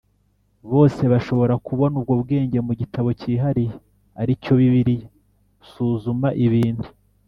Bose bashobora kubona ubwo bwenge mu gitabo cyihariye ari cyo bibiliya suzuma ibintu